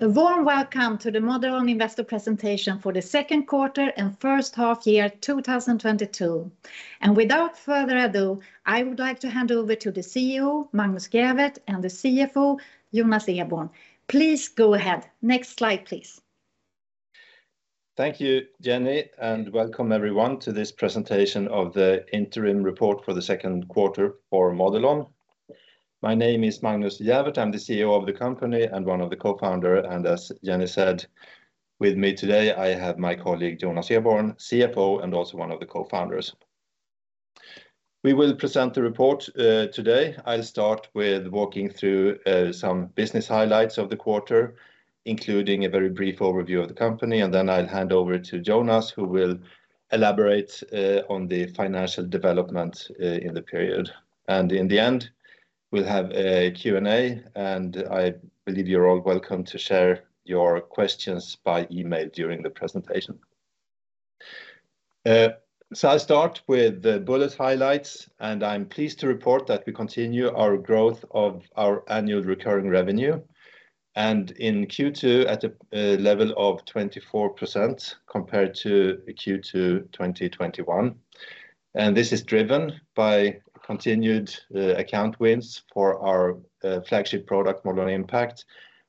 A warm welcome to the Modelon investor presentation for the second quarter and first half year 2022. Without further ado, I would like to hand over to the CEO, Magnus Gäfvert, and the CFO, Jonas Eborn. Please go ahead. Next slide, please. Thank you, Jenny, and welcome everyone to this presentation of the interim report for the second quarter for Modelon. My name is Magnus Gäfvert. I'm the CEO of the company and one of the co-founder. As Jenny said, with me today, I have my colleague, Jonas Eborn, CFO, and also one of the co-founders. We will present the report today. I'll start with walking through some business highlights of the quarter, including a very brief overview of the company, and then I'll hand over to Jonas, who will elaborate on the financial development in the period. In the end, we'll have a Q&A, and I believe you're all welcome to share your questions by email during the presentation. I'll start with the bullet highlights, and I'm pleased to report that we continue our growth of our annual recurring revenue, and in Q2 at a level of 24% compared to Q2 2021. This is driven by continued account wins for our flagship product, Modelon Impact,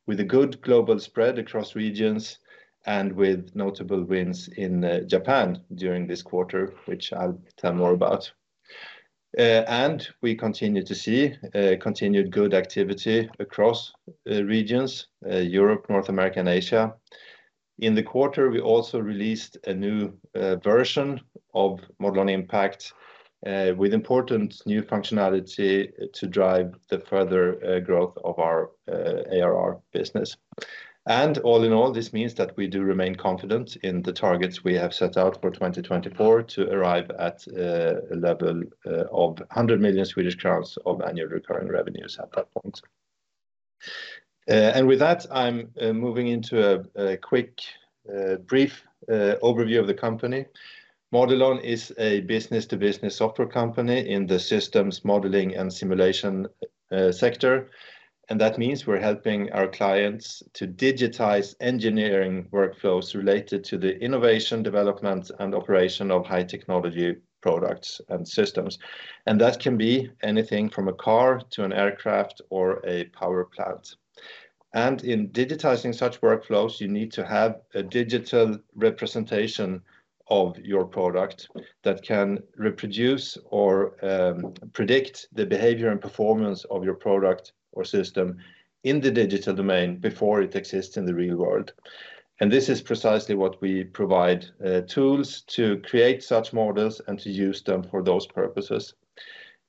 with a good global spread across regions and with notable wins in Japan during this quarter, which I'll tell more about. We continue to see continued good activity across regions, Europe, North America, and Asia. In the quarter, we also released a new version of Modelon Impact with important new functionality to drive the further growth of our ARR business. All in all, this means that we do remain confident in the targets we have set out for 2024 to arrive at a level of 100 million Swedish crowns of annual recurring revenues at that point. With that, I'm moving into a quick brief overview of the company. Modelon is a business-to-business software company in the systems modeling and simulation sector, and that means we're helping our clients to digitize engineering workflows related to the innovation, development, and operation of high technology products and systems. That can be anything from a car to an aircraft or a power plant. In digitizing such workflows, you need to have a digital representation of your product that can reproduce or predict the behavior and performance of your product or system in the digital domain before it exists in the real world. This is precisely what we provide tools to create such models and to use them for those purposes.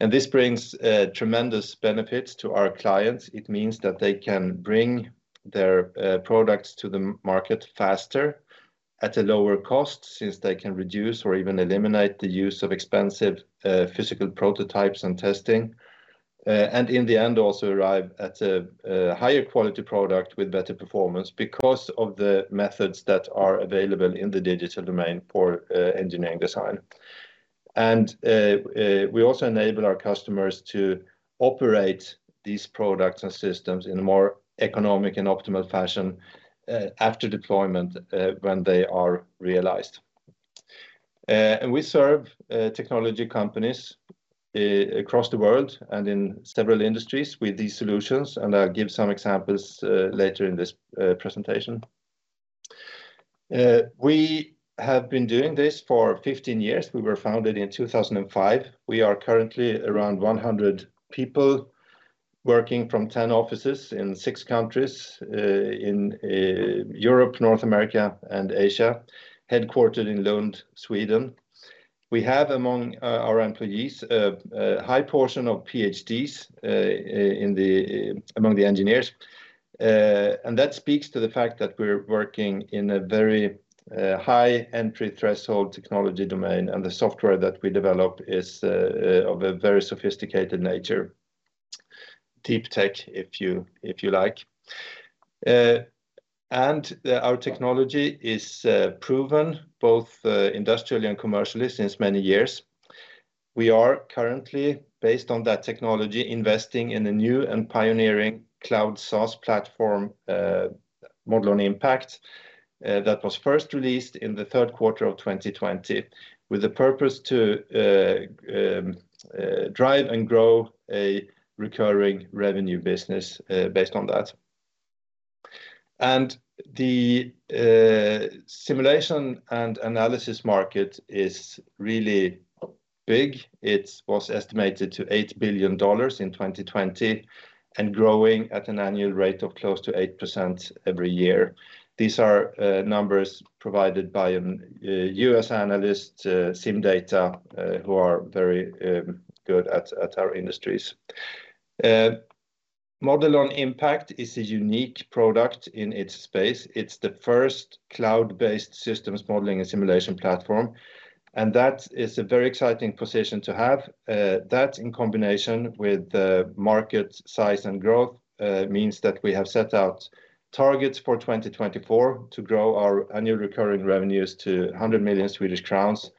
This brings tremendous benefits to our clients. It means that they can bring their products to the market faster at a lower cost, since they can reduce or even eliminate the use of expensive physical prototypes and testing. In the end, also arrive at a higher quality product with better performance because of the methods that are available in the digital domain for engineering design. We also enable our customers to operate these products and systems in a more economic and optimal fashion, after deployment, when they are realized. We serve technology companies across the world and in several industries with these solutions, and I'll give some examples later in this presentation. We have been doing this for 15 years. We were founded in 2005. We are currently around 100 people working from 10 offices in six countries, in Europe, North America, and Asia, headquartered in Lund, Sweden. We have among our employees a high portion of PhDs among the engineers. That speaks to the fact that we're working in a very high entry threshold technology domain, and the software that we develop is of a very sophisticated nature, deep tech, if you like. Our technology is proven both industrially and commercially since many years. We are currently, based on that technology, investing in a new and pioneering cloud-native platform, Modelon Impact, that was first released in the third quarter of 2020, with the purpose to drive and grow a recurring revenue business based on that. The simulation and analysis market is really big. It was estimated to $8 billion in 2020 and growing at an annual rate of close to 8% every year. These are numbers provided by a U.S. analyst, CIMdata, who are very good at our industries. Modelon Impact is a unique product in its space. It's the first cloud-based systems modeling and simulation platform, and that is a very exciting position to have. That in combination with the market size and growth means that we have set out targets for 2024 to grow our annual recurring revenues to 100 million Swedish crowns.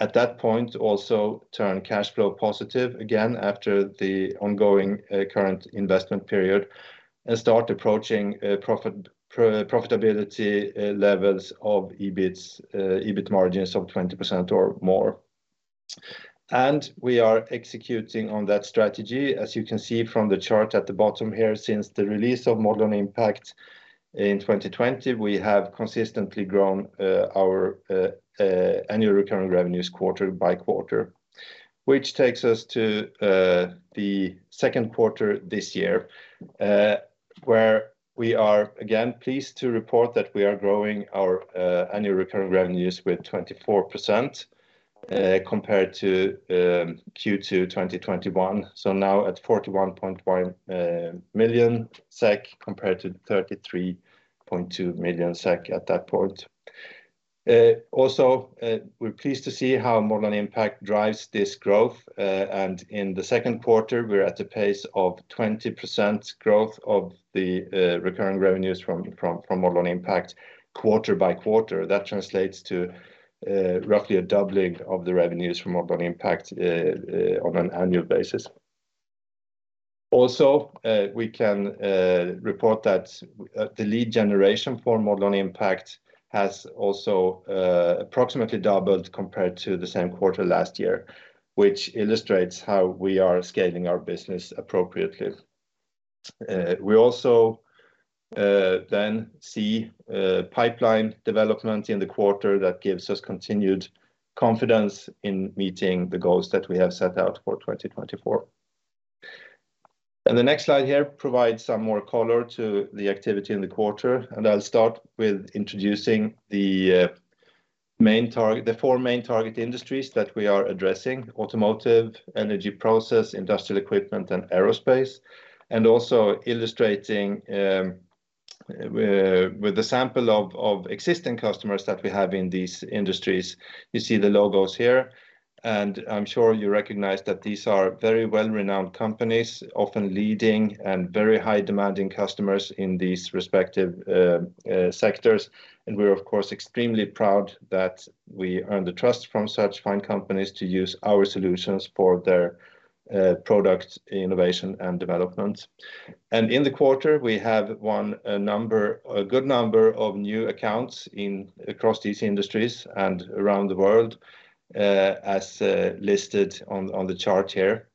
At that point, also turn cash flow positive again after the ongoing current investment period. Start approaching profitability levels of EBIT margins of 20% or more. We are executing on that strategy. As you can see from the chart at the bottom here, since the release of Modelon Impact in 2020, we have consistently grown our annual recurring revenues quarter by quarter. Which takes us to the second quarter this year, where we are again pleased to report that we are growing our annual recurring revenues with 24% compared to Q2 2021. Now at 41.1 million SEK compared to 33.2 million SEK at that point. Also, we're pleased to see how Modelon Impact drives this growth. And in the second quarter, we're at a pace of 20% growth of the recurring revenues from Modelon Impact quarter by quarter. That translates to roughly a doubling of the revenues from Modelon Impact on an annual basis. We can report that the lead generation for Modelon Impact has also approximately doubled compared to the same quarter last year, which illustrates how we are scaling our business appropriately. We also then see pipeline development in the quarter that gives us continued confidence in meeting the goals that we have set out for 2024. The next slide here provides some more color to the activity in the quarter. I'll start with introducing the four main target industries that we are addressing, automotive, energy process, industrial equipment, and aerospace. Also illustrating with the sample of existing customers that we have in these industries. You see the logos here, and I'm sure you recognize that these are very well-renowned companies, often leading and very high-demanding customers in these respective sectors. We're of course extremely proud that we earned the trust from such fine companies to use our solutions for their product innovation and development. In the quarter, we have won a number, a good number of new accounts across these industries and around the world, as listed on the chart here.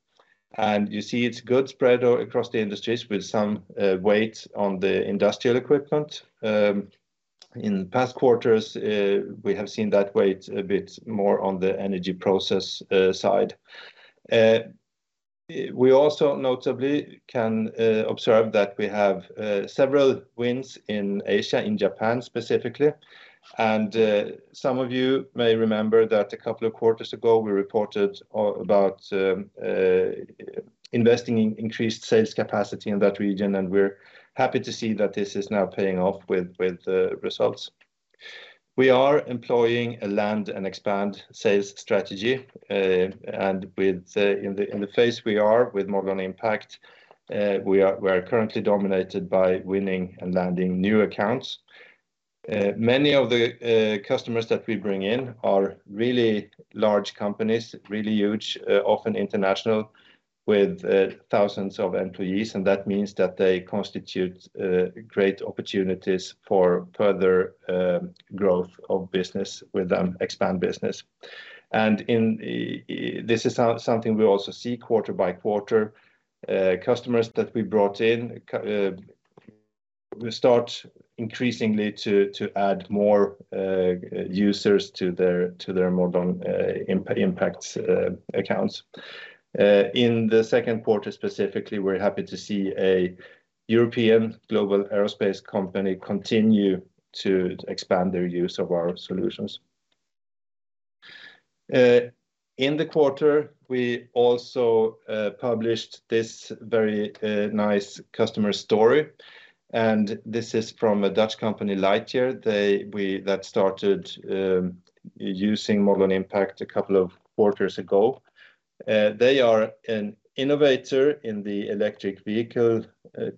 You see it's good spread across the industries with some weight on the industrial equipment. In past quarters, we have seen that weight a bit more on the energy process side. We also notably can observe that we have several wins in Asia, in Japan specifically. Some of you may remember that a couple of quarters ago, we reported about investing in increased sales capacity in that region, and we're happy to see that this is now paying off with the results. We are employing a land and expand sales strategy. With, in the phase we are with Modelon Impact, we are currently dominated by winning and landing new accounts. Many of the customers that we bring in are really large companies, really huge, often international with thousands of employees, and that means that they constitute great opportunities for further growth of business with them, expand business. This is something we also see quarter by quarter, customers that we brought in start increasingly to add more users to their Modelon Impact accounts. In the second quarter specifically, we're happy to see a European global aerospace company continue to expand their use of our solutions. In the quarter, we also published this very nice customer story, and this is from a Dutch company, Lightyear. That started using Modelon Impact a couple of quarters ago. They are an innovator in the electric vehicle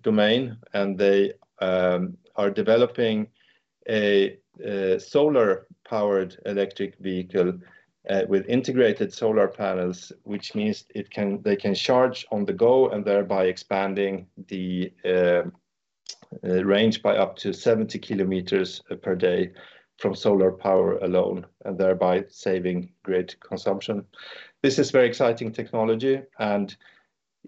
domain, and they are developing a solar-powered electric vehicle with integrated solar panels, which means they can charge on the go and thereby expanding the range by up to 70 km per day from solar power alone, and thereby saving great consumption. This is very exciting technology, and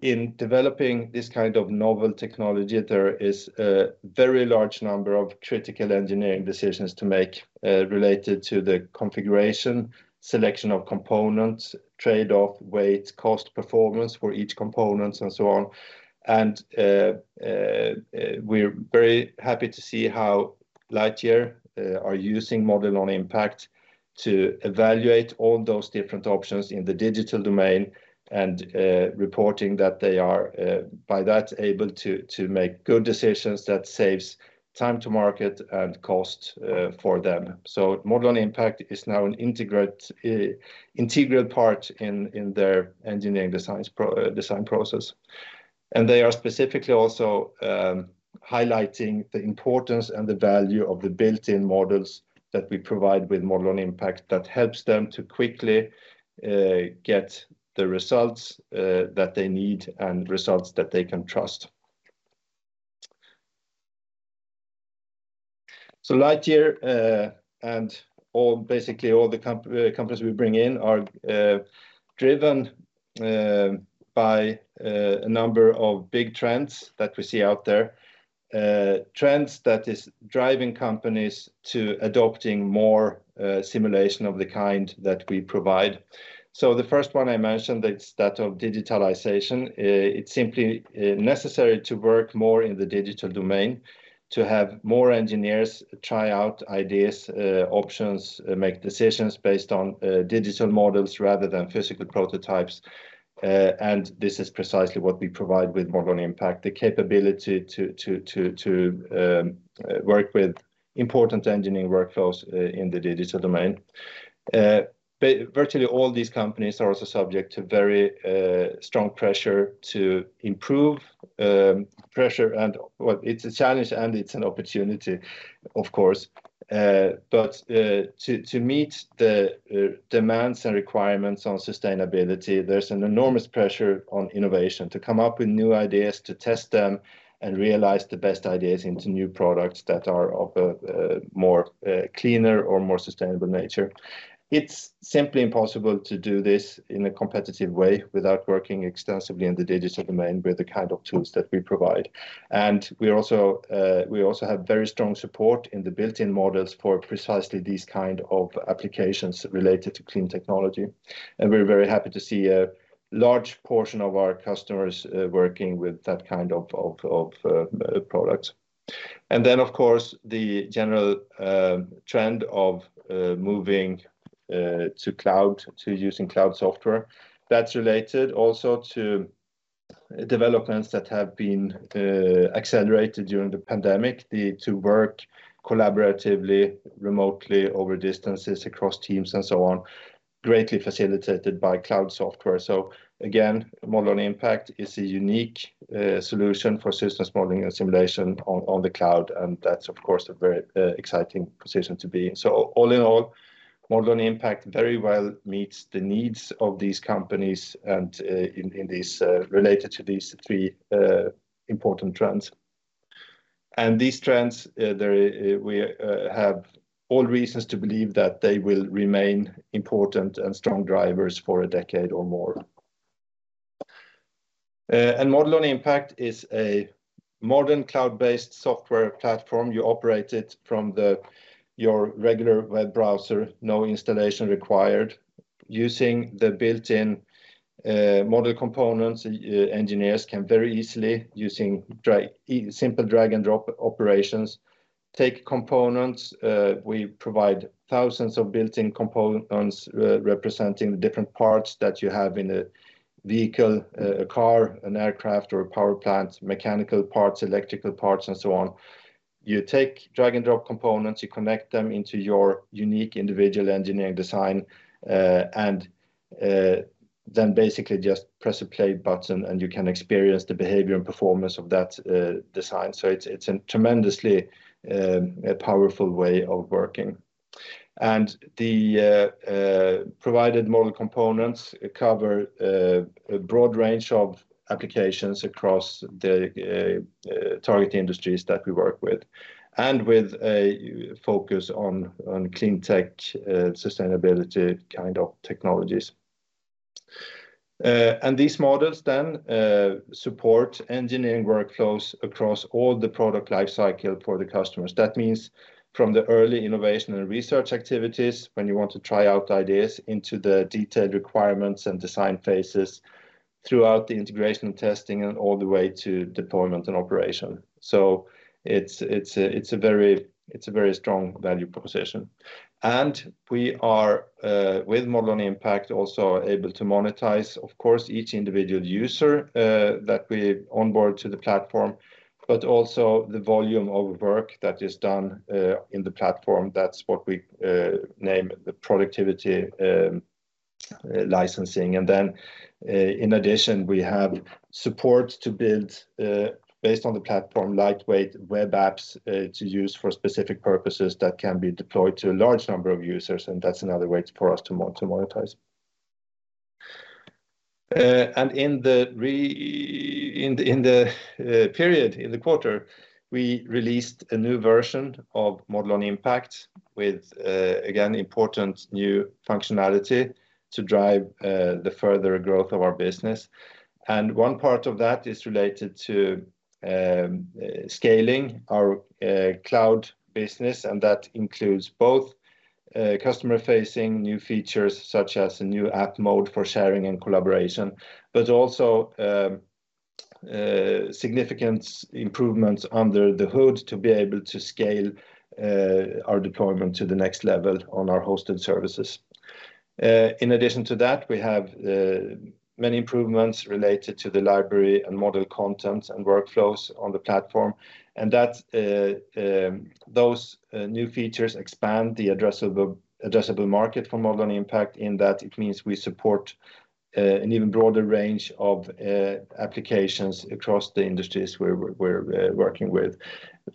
in developing this kind of novel technology, there is a very large number of critical engineering decisions to make, related to the configuration, selection of components, trade-off, weight, cost, performance for each components and so on. We're very happy to see how Lightyear are using Modelon Impact to evaluate all those different options in the digital domain and reporting that they are by that able to make good decisions that saves time to market and cost for them. Modelon Impact is now an integral part in their engineering design process. They are specifically also highlighting the importance and the value of the built-in models that we provide with Modelon Impact that helps them to quickly get the results that they need and results that they can trust. Lightyear and basically all the companies we bring in are driven by a number of big trends that we see out there. Trends that is driving companies to adopting more simulation of the kind that we provide. The first one I mentioned, it's that of digitalization. It's simply necessary to work more in the digital domain, to have more engineers try out ideas, options, make decisions based on digital models rather than physical prototypes. This is precisely what we provide with Modelon Impact, the capability to work with important engineering workflows in the digital domain. Virtually all these companies are also subject to very strong pressure to improve. Well, it's a challenge and it's an opportunity of course. To meet the demands and requirements on sustainability, there's an enormous pressure on innovation to come up with new ideas, to test them, and realize the best ideas into new products that are of a more cleaner or more sustainable nature. It's simply impossible to do this in a competitive way without working extensively in the digital domain with the kind of tools that we provide. We also have very strong support in the built-in models for precisely these kind of applications related to clean technology. We're very happy to see a large portion of our customers working with that kind of products. Of course, the general trend of moving to cloud, to using cloud software, that's related also to developments that have been accelerated during the pandemic, to work collaboratively, remotely over distances, across teams and so on, greatly facilitated by cloud software. Again, Modelon Impact is a unique solution for systems modeling and simulation on the cloud, and that's of course a very exciting position to be in. All in all, Modelon Impact very well meets the needs of these companies and in these related to these three important trends. These trends, we have all reasons to believe that they will remain important and strong drivers for a decade or more. Modelon Impact is a modern cloud-based software platform. You operate it from your regular web browser, no installation required. Using the built-in model components, engineers can very easily, using simple drag and drop operations, take components. We provide thousands of built-in components, representing the different parts that you have in a vehicle, a car, an aircraft or a power plant, mechanical parts, electrical parts and so on. You take drag and drop components, you connect them into your unique individual engineering design, and then basically just press a play button and you can experience the behavior and performance of that design. It's a tremendously powerful way of working. The provided model components cover a broad range of applications across the target industries that we work with, and with a focus on clean tech, sustainability kind of technologies. These models then support engineering workflows across all the product life cycle for the customers. That means from the early innovation and research activities when you want to try out ideas into the detailed requirements and design phases throughout the integration testing and all the way to deployment and operation. It's a very strong value proposition. We are with Modelon Impact also able to monetize, of course, each individual user that we onboard to the platform, but also the volume of work that is done in the platform. That's what we name the productivity licensing. In addition, we have support to build, based on the platform, lightweight web apps, to use for specific purposes that can be deployed to a large number of users, and that's another way for us to monetize. In the period, in the quarter, we released a new version of Modelon Impact with, again, important new functionality to drive the further growth of our business. One part of that is related to scaling our cloud business, and that includes both customer facing new features such as a new app mode for sharing and collaboration, but also significant improvements under the hood to be able to scale our deployment to the next level on our hosted services. In addition to that, we have many improvements related to the library and model content and workflows on the platform. That those new features expand the addressable market for Modelon Impact in that it means we support an even broader range of applications across the industries we're working with.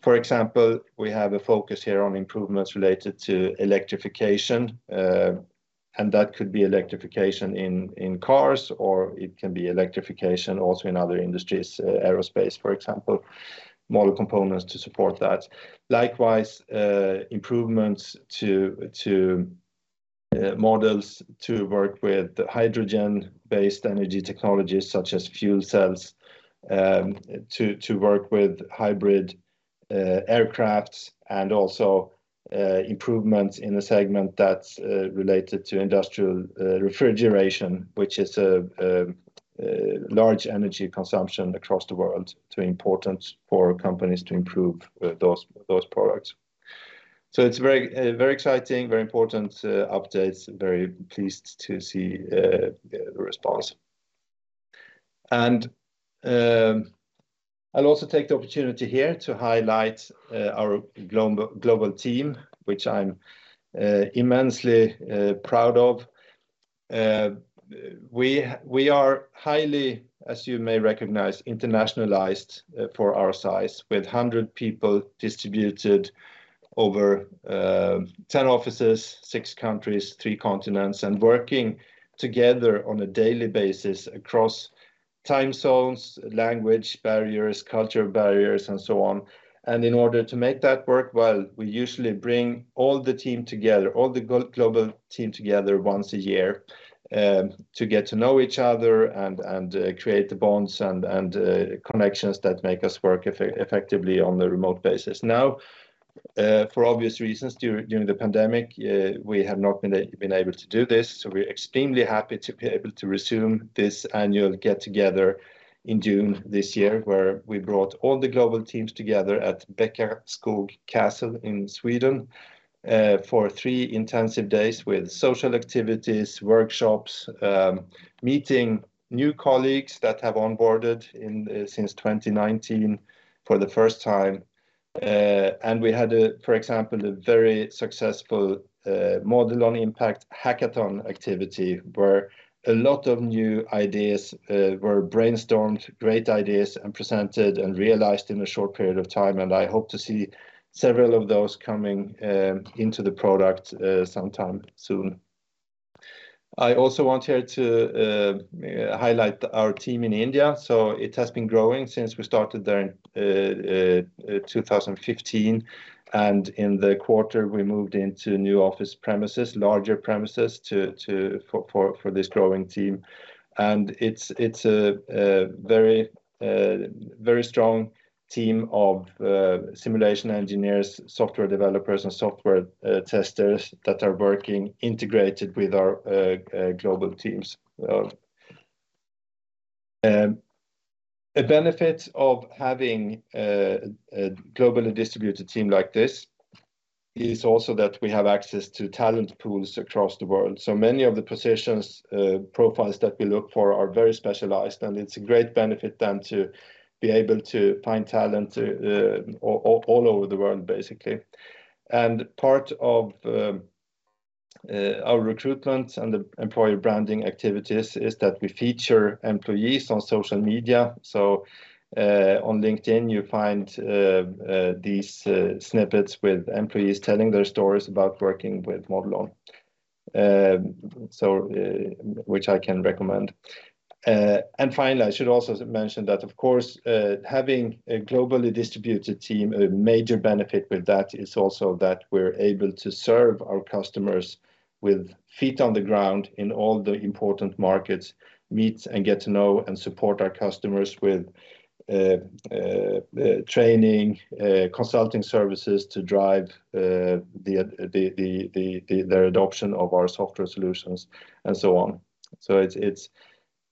For example, we have a focus here on improvements related to electrification. That could be electrification in cars or it can be electrification also in other industries, aerospace, for example, model components to support that. Likewise, improvements to models to work with hydrogen-based energy technologies such as fuel cells, to work with hybrid aircrafts and also improvements in a segment that's related to industrial refrigeration, which is a large energy consumption across the world. It's very important for companies to improve those products. It's very exciting, very important updates. Very pleased to see the response. I'll also take the opportunity here to highlight our global team, which I'm immensely proud of. We are highly, as you may recognize, internationalized for our size, with 100 people distributed over 10 offices, six countries, three continents, and working together on a daily basis across time zones, language barriers, culture barriers, and so on. In order to make that work well, we usually bring all the team together, all the global team together once a year to get to know each other and create the bonds and connections that make us work effectively on a remote basis. Now, for obvious reasons, during the pandemic, we have not been able to do this, so we're extremely happy to be able to resume this annual get-together in June this year, where we brought all the global teams together at Bäckaskog Castle in Sweden, for three intensive days with social activities, workshops, meeting new colleagues that have onboarded since 2019 for the first time. We had, for example, a very successful Modelon Impact hackathon activity where a lot of new ideas were brainstormed, great ideas, and presented and realized in a short period of time. I hope to see several of those coming into the product sometime soon. I also want here to highlight our team in India. It has been growing since we started there in 2015. In the quarter, we moved into new office premises, larger premises for this growing team. It's a very strong team of simulation engineers, software developers and software testers that are working integrated with our global teams. A benefit of having a globally distributed team like this is also that we have access to talent pools across the world. Many of the position profiles that we look for are very specialized, and it's a great benefit then to be able to find talent all over the world, basically. Part of our recruitment and the employee branding activities is that we feature employees on social media. On LinkedIn, you find these snippets with employees telling their stories about working with Modelon, which I can recommend. Finally, I should also mention that, of course, having a globally distributed team, a major benefit with that is also that we're able to serve our customers with feet on the ground in all the important markets, meet and get to know and support our customers with training, consulting services to drive the adoption of our software solutions and so on.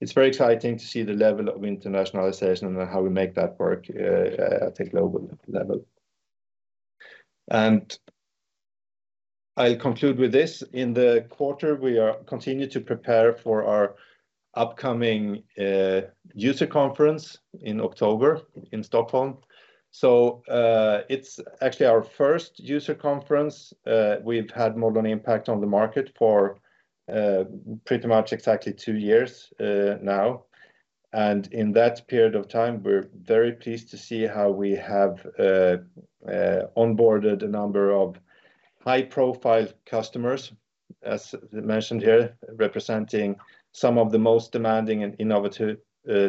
It's very exciting to see the level of internationalization and how we make that work at a global level. I'll conclude with this. In the quarter, we are continue to prepare for our upcoming user conference in October in Stockholm. It's actually our first user conference. We've had Modelon Impact on the market for pretty much exactly two years now. In that period of time, we're very pleased to see how we have onboarded a number of high-profile customers, as mentioned here, representing some of the most demanding and innovative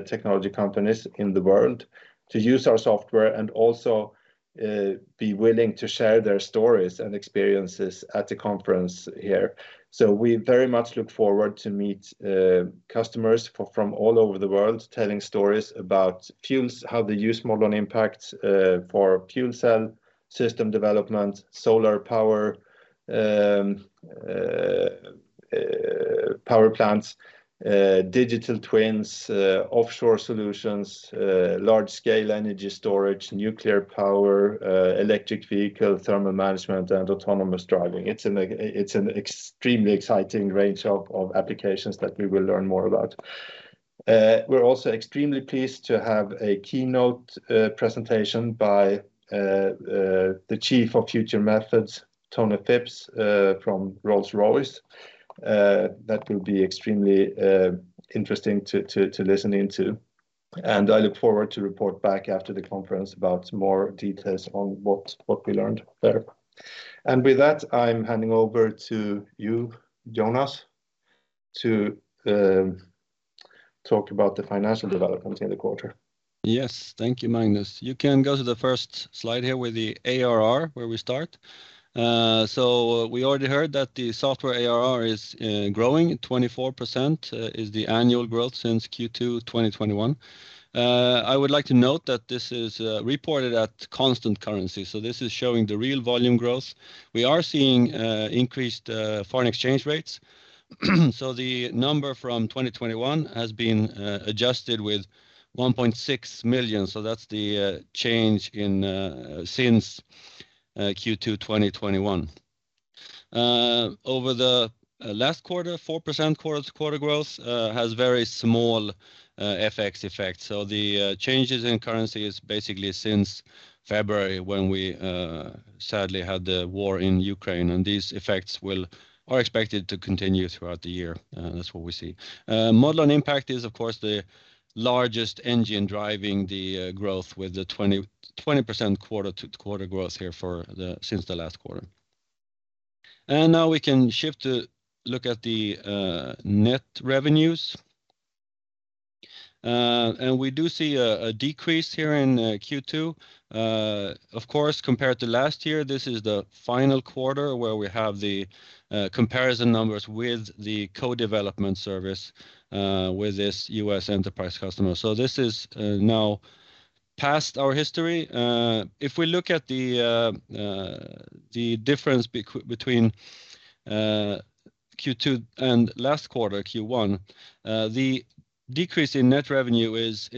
technology companies in the world to use our software and also be willing to share their stories and experiences at the conference here. We very much look forward to meet customers from all over the world telling stories about how they use Modelon Impact for fuel cell system development, solar power plants, digital twins, offshore solutions, large-scale energy storage, nuclear power, electric vehicle thermal management, and autonomous driving. It's an extremely exciting range of applications that we will learn more about. We're also extremely pleased to have a keynote presentation by the Chief of Future Methods, Tony Phipps, from Rolls-Royce. That will be extremely interesting to listen to. I look forward to report back after the conference about more details on what we learned there. With that, I'm handing over to you, Jonas, to talk about the financial developments in the quarter. Yes. Thank you, Magnus. You can go to the first slide here with the ARR, where we start. So we already heard that the software ARR is growing. 24% is the annual growth since Q2 2021. I would like to note that this is reported at constant currency, so this is showing the real volume growth. We are seeing increased foreign exchange rates, so the number from 2021 has been adjusted with 1.6 million, so that's the change since Q2 2021. Over the last quarter, 4% quarter-over-quarter growth has very small FX effect. So the changes in currency is basically since February, when we sadly had the war in Ukraine. These effects are expected to continue throughout the year. That's what we see. Modelon Impact is, of course, the largest engine driving the growth with the 20% quarter-over-quarter growth here since the last quarter. Now we can shift to look at the net revenues. We do see a decrease here in Q2. Of course, compared to last year, this is the final quarter where we have the comparison numbers with the co-development service with this U.S. enterprise customer. This is now past our history. If we look at the difference between Q2 and last quarter, Q1, the decrease in net revenue is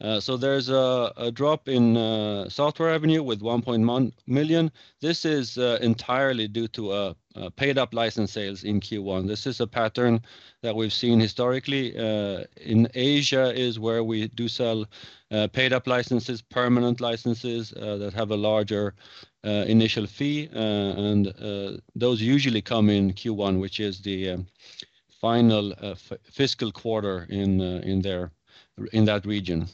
two-part. There's a drop in software revenue with 1.1 million. This is entirely due to paid-up license sales in Q1. This is a pattern that we've seen historically. In Asia is where we do sell paid-up licenses, permanent licenses that have a larger initial fee. Those usually come in Q1, which is the final fiscal quarter in that region.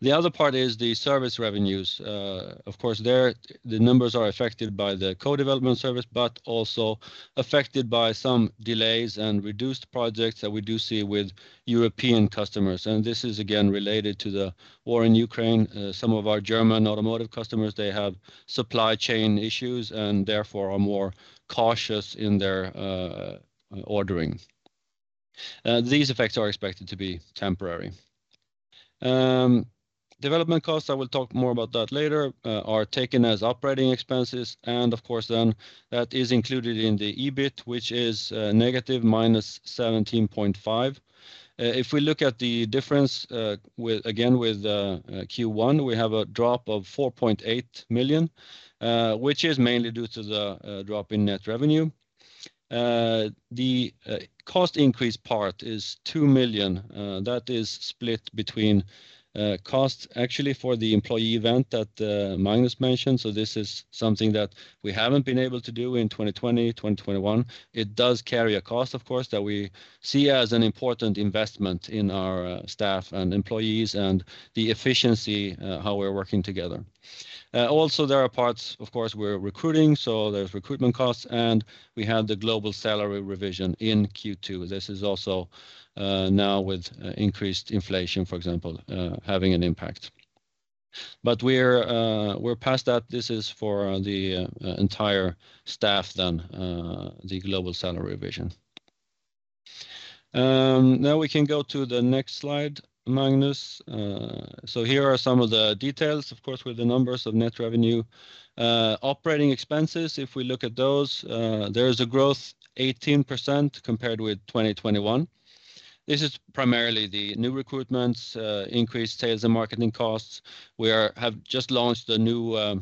The other part is the service revenues. Of course, there, the numbers are affected by the co-development service, but also affected by some delays and reduced projects that we do see with European customers. This is again related to the war in Ukraine. Some of our German automotive customers, they have supply chain issues, and therefore, are more cautious in their ordering. These effects are expected to be temporary. Development costs, I will talk more about that later, are taken as operating expenses. Of course, then that is included in the EBIT, which is -17.5 million. If we look at the difference with Q1 again, we have a drop of 4.8 million, which is mainly due to the drop in net revenue. The cost increase part is 2 million. That is split between costs actually for the employee event that Magnus mentioned. This is something that we haven't been able to do in 2020, 2021. It does carry a cost, of course, that we see as an important investment in our staff and employees and the efficiency how we're working together. Also there are parts, of course, we're recruiting, so there's recruitment costs, and we had the global salary revision in Q2. This is also now with increased inflation, for example, having an impact. We're past that. This is for the entire staff then the global salary revision. Now we can go to the next slide, Magnus. Here are some of the details, of course, with the numbers of net revenue. Operating expenses, if we look at those, there is a growth 18% compared with 2021. This is primarily the new recruitments, increased sales and marketing costs. We have just launched a new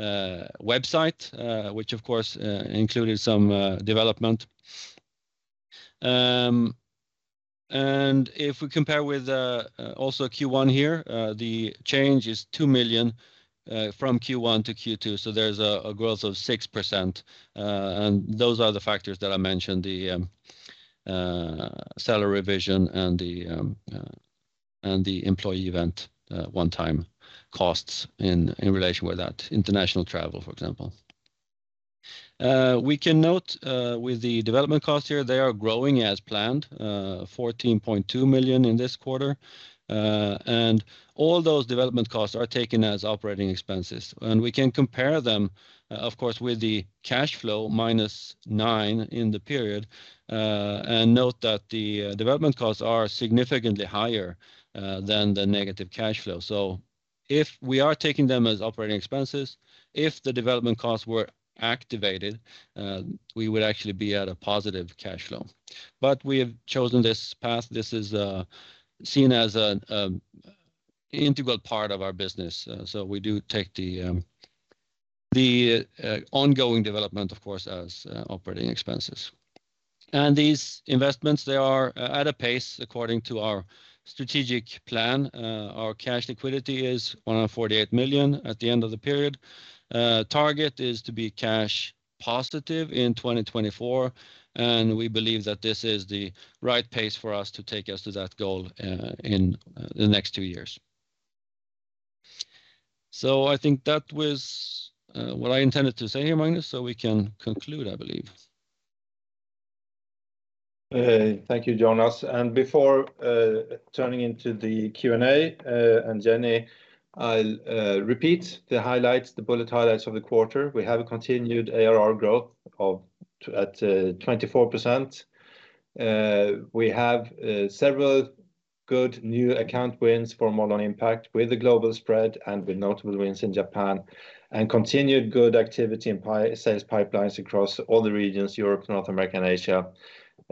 website, which of course included some development. If we compare with also Q1 here, the change is 2 million from Q1 to Q2, so there's a growth of 6%. Those are the factors that I mentioned, the salary revision and the employee event, one-time costs in relation with that. International travel, for example. We can note with the development costs here, they are growing as planned, 14.2 million in this quarter. All those development costs are taken as operating expenses. We can compare them, of course, with the cash flow, -9 million in the period. Note that the development costs are significantly higher than the negative cash flow. If we are taking them as operating expenses, if the development costs were activated, we would actually be at a positive cash flow. We have chosen this path. This is seen as an integral part of our business. We do take the ongoing development, of course, as operating expenses. These investments, they are at a pace according to our strategic plan. Our cash liquidity is 148 million at the end of the period. Target is to be cash positive in 2024, and we believe that this is the right pace for us to take us to that goal in the next two years. I think that was what I intended to say here, Magnus, so we can conclude, I believe. Thank you, Jonas. Before turning to the Q&A, and Jenny, I'll repeat the highlights, the bullet highlights of the quarter. We have a continued ARR growth of 24%. We have several good new account wins for Modelon Impact with a global spread and with notable wins in Japan, and continued good activity in sales pipelines across all the regions, Europe, North America, and Asia.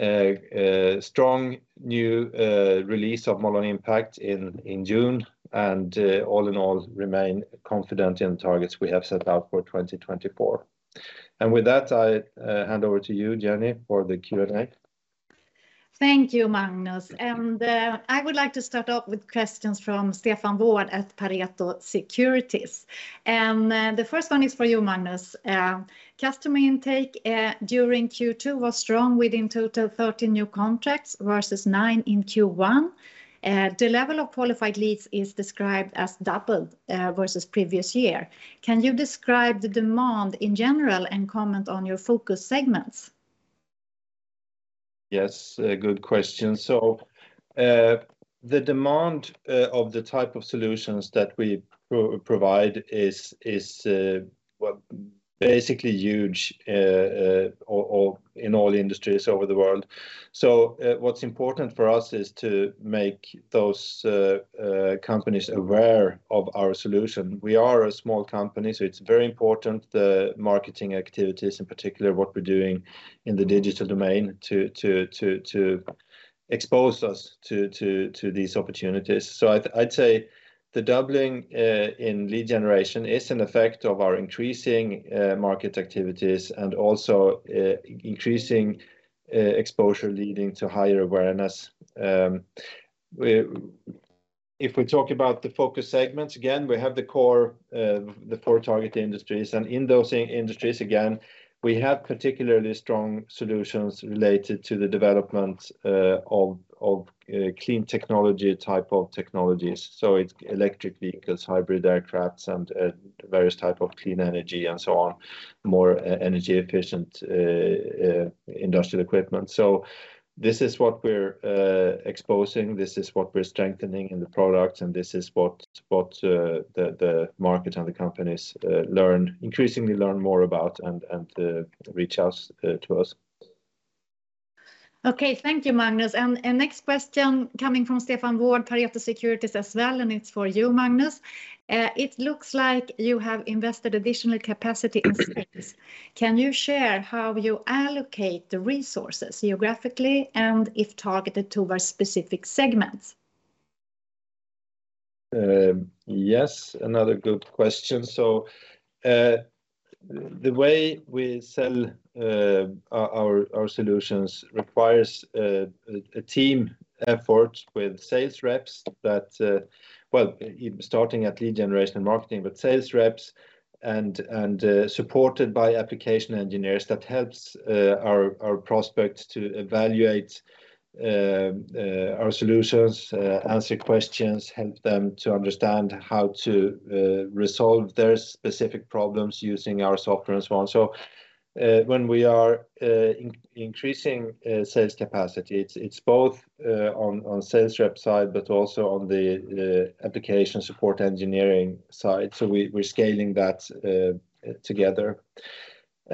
Strong new release of Modelon Impact in June. All in all, remain confident in targets we have set out for 2024. With that, I hand over to you, Jenny, for the Q&A. Thank you, Magnus. I would like to start off with questions from Stefan Ward at Pareto Securities. The first one is for you, Magnus. Customer intake during Q2 was strong with in total 13 new contracts versus 9 in Q1. The level of qualified leads is described as doubled versus previous year. Can you describe the demand in general and comment on your focus segments? Yes, a good question. The demand of the type of solutions that we provide is well, basically huge or in all industries over the world. What's important for us is to make those companies aware of our solution. We are a small company, so it's very important, the marketing activities, in particular, what we're doing in the digital domain to expose us to these opportunities. I'd say the doubling in lead generation is an effect of our increasing market activities and also increasing exposure leading to higher awareness. If we talk about the focus segments, again, we have the core, the four target industries. In those industries, again, we have particularly strong solutions related to the development of clean technology type of technologies. It's electric vehicles, hybrid aircrafts, and various type of clean energy and so on, more energy efficient industrial equipment. This is what we're exposing, this is what we're strengthening in the products, and this is what the market and the companies increasingly learn more about and reach out to us. Okay. Thank you, Magnus. A next question coming from Stefan Ward, Pareto Securities as well, and it's for you, Magnus. It looks like you have invested additional capacity in sales. Can you share how you allocate the resources geographically and if targeted towards specific segments? Yes, another good question. The way we sell our solutions requires a team effort with sales reps that well starting at lead generation and marketing but sales reps and supported by application engineers that helps our prospects to evaluate our solutions answer questions help them to understand how to resolve their specific problems using our software and so on. When we are increasing sales capacity, it's both on sales rep side but also on the application support engineering side. We're scaling that together.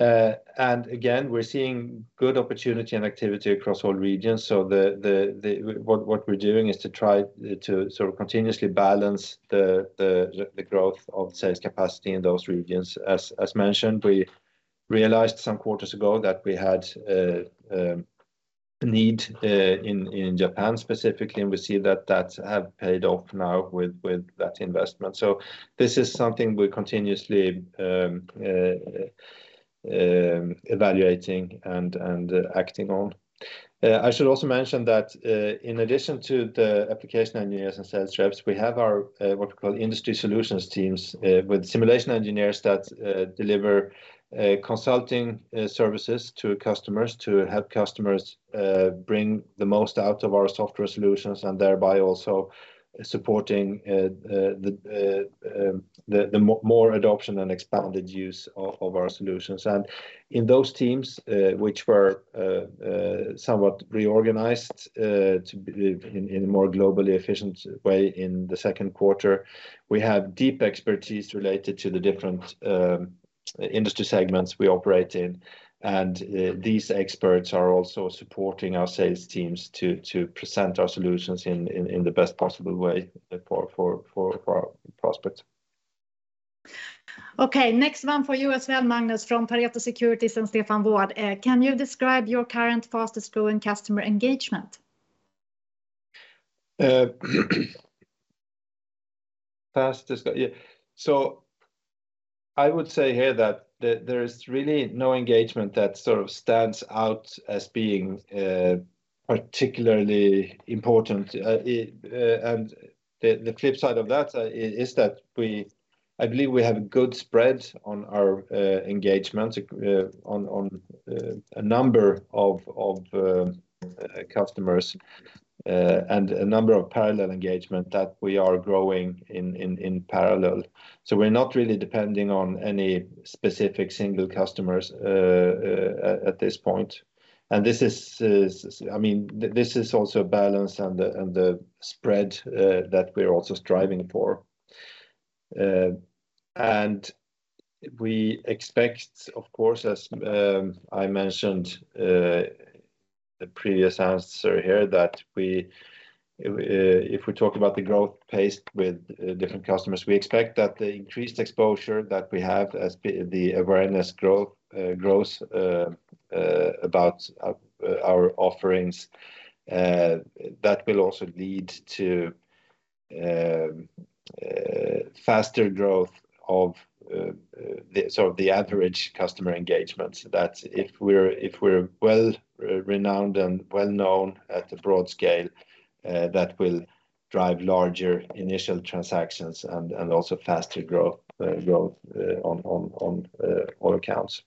Again, we're seeing good opportunity and activity across all regions. What we're doing is to try to sort of continuously balance the growth of sales capacity in those regions. As mentioned, we realized some quarters ago that we had need in Japan specifically, and we see that has paid off now with that investment. This is something we're continuously evaluating and acting on. I should also mention that in addition to the application engineers and sales reps, we have our what we call industry solutions teams with simulation engineers that deliver consulting services to customers to help customers bring the most out of our software solutions and thereby also supporting the more adoption and expanded use of our solutions. In those teams, which were somewhat reorganized to be in a more globally efficient way in the second quarter, we have deep expertise related to the different industry segments we operate in. These experts are also supporting our sales teams to present our solutions in the best possible way for our prospects. Okay. Next one for you as well, Magnus, from Pareto Securities and Stefan Ward. Can you describe your current fastest growing customer engagement? Fastest growing, yeah. I would say here that there is really no engagement that sort of stands out as being particularly important. The flip side of that is that we believe we have a good spread on our engagements on a number of customers and a number of parallel engagement that we are growing in parallel. We're not really depending on any specific single customers at this point. I mean, this is also a balance and the spread that we're also striving for. We expect, of course, as I mentioned in the previous answer here, that we, if we talk about the growth pace with different customers, we expect that the increased exposure that we have as the awareness grows about our offerings, that will also lead to faster growth of the average customer engagements. That if we're well renowned and well-known at a broad scale, that will drive larger initial transactions and also faster growth on all accounts.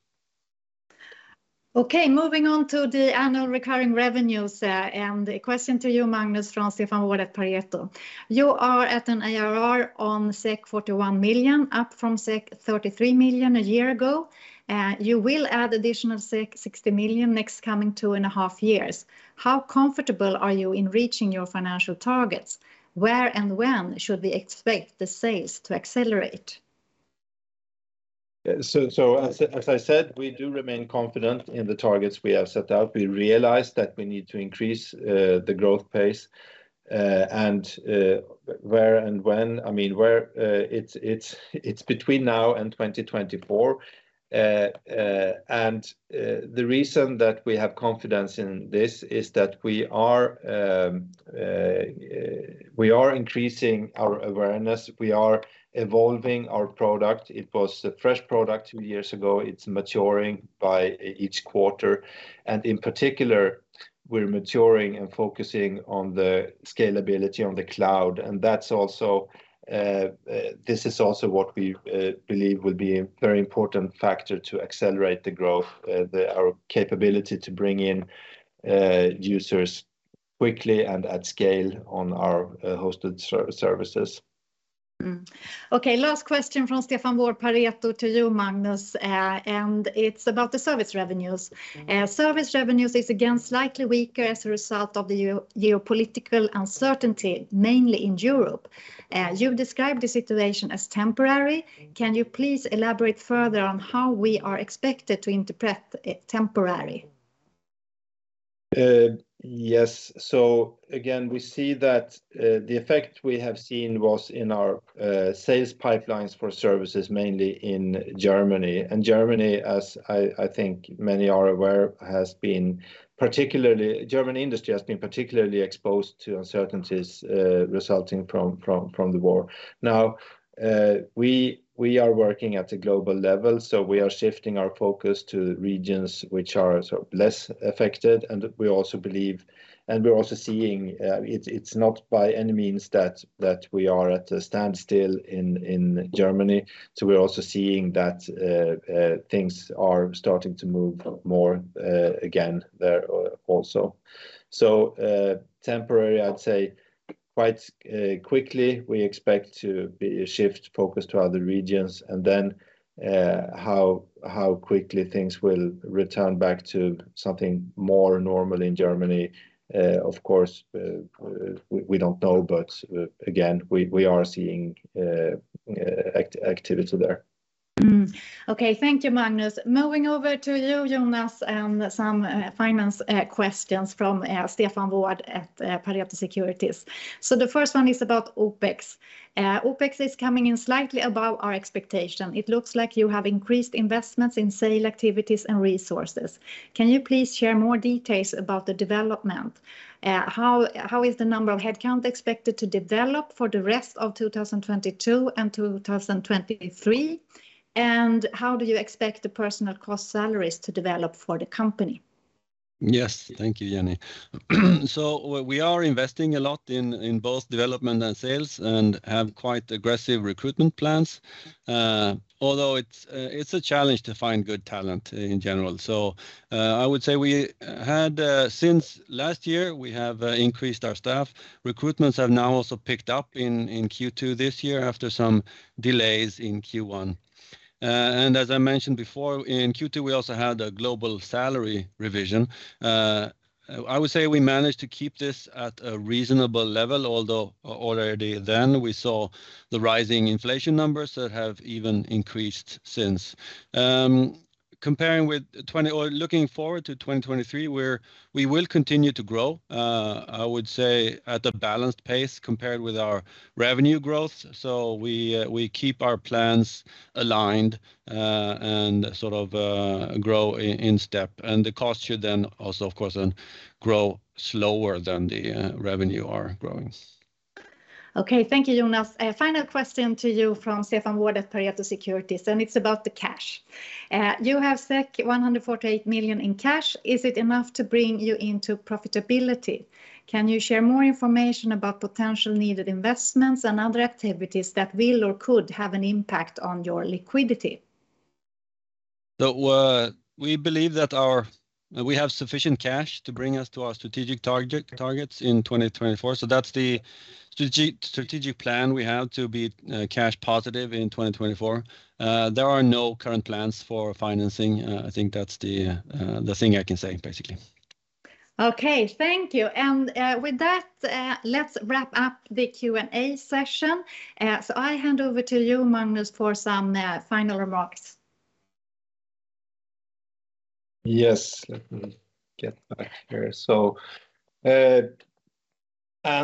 Okay. Moving on to the annual recurring revenues, and a question to you, Magnus, from Stefan Ward at Pareto Securities. You are at an ARR of 41 million, up from 33 million a year ago. You will add additional 60 million next coming two and a half years. How comfortable are you in reaching your financial targets? Where and when should we expect the sales to accelerate? Yeah. As I said, we do remain confident in the targets we have set out. We realize that we need to increase the growth pace, and I mean it's between now and 2024. The reason that we have confidence in this is that we are increasing our awareness. We are evolving our product. It was a fresh product two years ago. It's maturing by each quarter. In particular, we're maturing and focusing on the scalability on the cloud, and this is also what we believe will be a very important factor to accelerate the growth, our capability to bring in users quickly and at scale on our hosted services. Last question from Stefan Ward, Pareto Securities, to you, Magnus Gäfvert, and it's about the service revenues. Service revenues is again slightly weaker as a result of the geopolitical uncertainty, mainly in Europe. You describe the situation as temporary. Can you please elaborate further on how we are expected to interpret temporary? Yes. Again, we see that the effect we have seen was in our sales pipelines for services mainly in Germany. Germany, as I think many are aware, German industry has been particularly exposed to uncertainties resulting from the war. Now, we are working at a global level, so we are shifting our focus to regions which are sort of less affected, and we also believe, and we're also seeing, it's not by any means that we are at a standstill in Germany. We're also seeing that things are starting to move more again there also. Temporary, I'd say quite quickly we expect to shift focus to other regions. How quickly things will return back to something more normal in Germany, of course, we don't know. Again, we are seeing activity there. Okay. Thank you, Magnus. Moving over to you, Jonas, and some finance questions from Stefan Ward at Pareto Securities. The first one is about OpEx. OpEx is coming in slightly above our expectation. It looks like you have increased investments in sales activities and resources. Can you please share more details about the development? How is the number of head count expected to develop for the rest of 2022 and 2023? And how do you expect the personnel costs salaries to develop for the company? Yes. Thank you, Jenny. We are investing a lot in both development and sales and have quite aggressive recruitment plans. Although it's a challenge to find good talent in general. I would say since last year we have increased our staff. Recruitments have now also picked up in Q2 this year after some delays in Q1. As I mentioned before, in Q2 we also had a global salary revision. I would say we managed to keep this at a reasonable level, although already then we saw the rising inflation numbers that have even increased since. Well, looking forward to 2023, we will continue to grow, I would say at a balanced pace compared with our revenue growth. We keep our plans aligned, and sort of grow in step, and the cost should then also of course, then, grow slower than the revenue are growing. Okay. Thank you, Jonas. A final question to you from Stefan Ward at Pareto Securities, and it's about the cash. You have 148 million in cash. Is it enough to bring you into profitability? Can you share more information about potential needed investments and other activities that will or could have an impact on your liquidity? We have sufficient cash to bring us to our strategic targets in 2024. That's the strategic plan we have, to be cash positive in 2024. There are no current plans for financing. I think that's the thing I can say, basically. Okay. Thank you. With that, let's wrap up the Q&A session. I hand over to you, Magnus, for some final remarks. Yes. Let me get back here.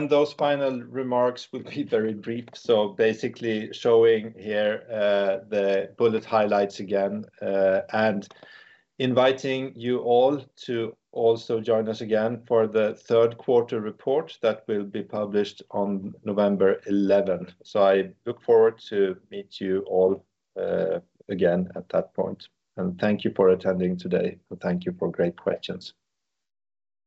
Those final remarks will be very brief. Basically showing here, the bullet highlights again, and inviting you all to also join us again for the third quarter report that will be published on November 11th. I look forward to meet you all again at that point. Thank you for attending today. Thank you for great questions.